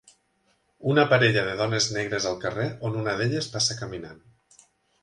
Una parella de dones negres al carrer on una d'elles passa caminant.